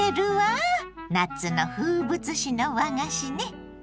夏の風物詩の和菓子ね。